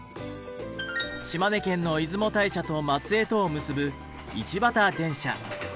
島根県の出雲大社と松江とを結ぶ